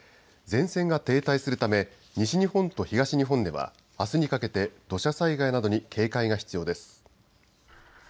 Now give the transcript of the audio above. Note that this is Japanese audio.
前線が停滞するため西日本と東日本ではあすにかけて土砂災害などに警戒が必要です。